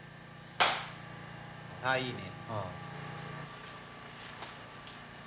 あいいね。